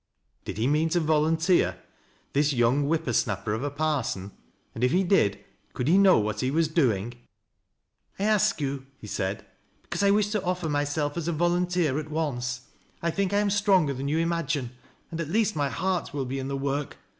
Did he mean to volunteer — this young whipper snappei ijf a parson ? And if he did, could he know what he wa« 1 '.ling J " I ask you,' he said, " because I wish to offer myself ftB a volunteer at once ; I think I am stronger than yon imagine and at least my heart will be in the work.